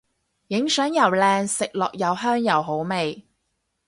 影相又靚食落又香又好味